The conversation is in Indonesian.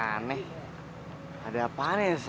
aneh ada apaan ya sama rama